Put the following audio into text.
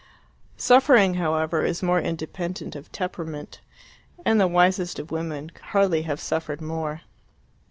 Suffering, however, is more independent of temperament, and the wisest of women could hardly have suffered more.